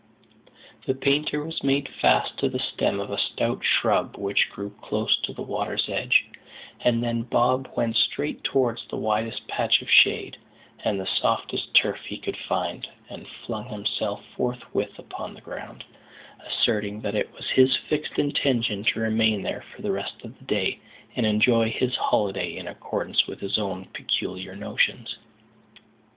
The painter was made fast to the stem of a stout shrub which grew close to the water's edge; and then Bob went straight towards the widest patch of shade, and the softest turf he could find, and flung himself forthwith upon the ground, asserting that it was his fixed intention to remain there for the rest of the day, and enjoy his holiday in accordance with his own peculiar notions.